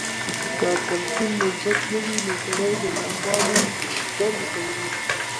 که تلقين مثبت نه وي نو سړی د ناخوالو کندې ته وړي.